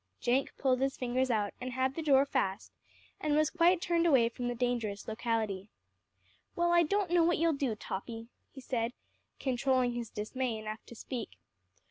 Jenk pulled his fingers out, and had the door fast, and was quite turned away from the dangerous locality. "Well, I don't know what you'll do, Toppy," he said, controlling his dismay enough to speak.